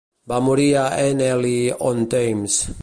Va morir a Henley-on-Thames.